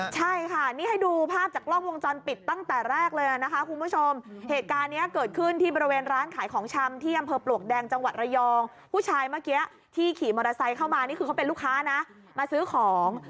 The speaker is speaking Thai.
ใช่ค่ะนี่ให้ดูภาพจากกล้องวงจรปิดตั้งแต่แรกเลยนะคะคุณผู้ชมเหตุการณ์นี้เกิดขึ้นที่บริเวณร้านขายของชำที่อำเภอปลวกแดงจังหวัดระยองผู้ชายเมื่อกี้ที่ขี่มอเตอร์ไซค์เข้ามานี่คือเขาเป็นลูกค้านะมาซื้อของ